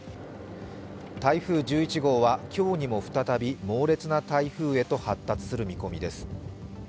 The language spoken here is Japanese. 台風１１号は今日にも再び、猛烈な台風へと発達する見込みです。